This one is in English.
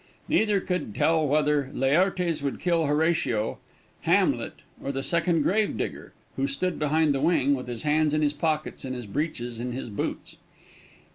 Neither could he tell whether Laertes would kill Horatio, Hamlet, or the Second Grave digger, who stood behind the wing, with his hands in his pockets, and his breeches in his boots.